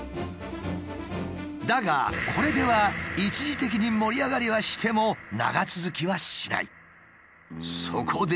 だがこれでは一時的に盛り上がりはしても長続きはしない。